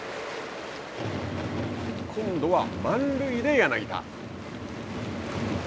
今度は満塁で柳田。